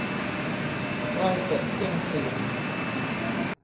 ใกล้จะเที่ยงคืน